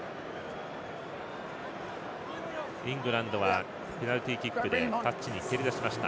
イングランドはペナルティキックでタッチに蹴り出しました。